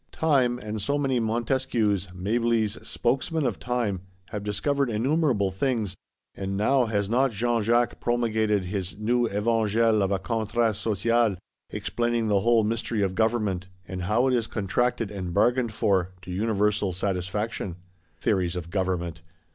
Time, and so many Montesquieus, Mablys, spokesmen of Time, have discovered innumerable things: and now has not Jean Jacques promulgated his new Evangel of a Contrat Social; explaining the whole mystery of Government, and how it is contracted and bargained for,—to universal satisfaction? Theories of Government!